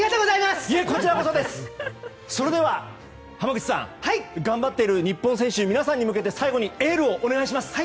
それでは、浜口さん。頑張っている日本選手の皆さんに向けて最後にエールお願いします。